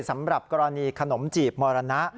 สำหรับกรณีขนมจีบมรณะ